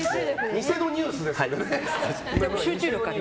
偽のニュースですのでね。